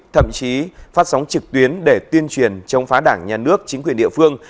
thậm chí phát sóng trực tuyến để tuyên truyền chống phá đảng nhà nước chính quyền địa phương